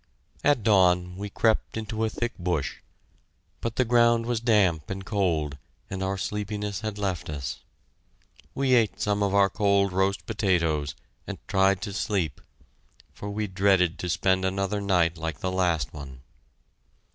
At dawn we crept into a thick bush, but the ground was damp and cold, and our sleepiness had left us. We ate some of our cold roast potatoes, and tried to sleep, for we dreaded to spend another night like the last one.